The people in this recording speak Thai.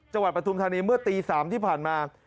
จังหวัดปฐุมธนีย์เมื่อตี๓ที่ผ่านมา